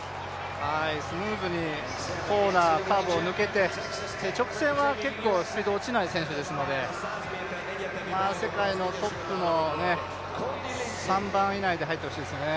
スムーズにコーナー、カーブを抜けて、直線は結構スピードが落ちない選手ですので、世界のトップの３番以内で入ってほしいですね。